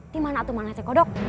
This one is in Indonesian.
dimana tuh mana sih kodok